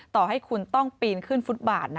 ต่อให้คุณต้องปีนขึ้นฟุตบาท